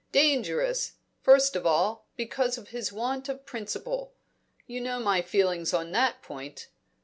Dangerous, first of all, because of his want of principle you know my feelings on that point.